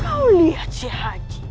kau lihat sheikh haji